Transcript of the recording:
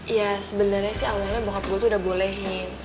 ya sebenarnya sih awalnya bahwa gue tuh udah bolehin